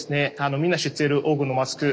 みんな知ってる黄金のマスク。